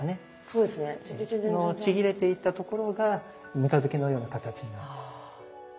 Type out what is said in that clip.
そのちぎれていったところが三日月のような形になっている。